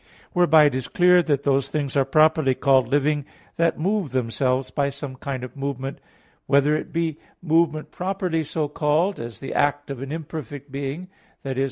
Whereby it is clear that those things are properly called living that move themselves by some kind of movement, whether it be movement properly so called, as the act of an imperfect being, i.e.